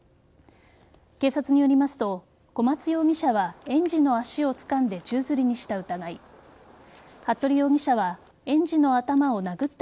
警察によりますと小松容疑者は園児の足をつかんで宙づりにした疑い服部容疑者は園児の頭を殴った